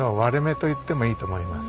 と言ってもいいと思います。